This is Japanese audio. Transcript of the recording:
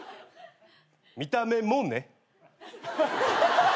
見た目もね。